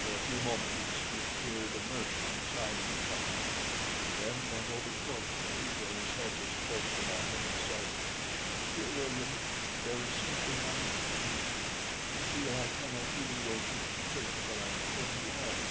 For a few moments he appeared immersed in silent thought, and then bent over towards me till his head was close to mine, and said, "Dear William, there is something I must tell you. I feel I cannot even go to church till I have told you all."